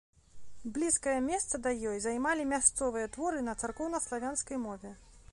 Блізкае месца да ёй займалі мясцовыя творы на царкоўнаславянскай мове.